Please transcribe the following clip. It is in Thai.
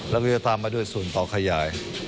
แล้วก็จะตามมาด้วยศูนย์ต่อขยาย